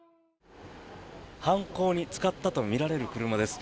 犯行に使ったとみられる車です。